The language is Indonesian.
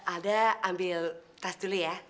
ada ambil tas dulu ya